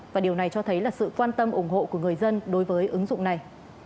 và điều này cho thấy là sự quan tâm ủng hộ của người dân đối với ứng dụng này